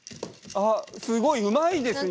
あっすごいうまいですね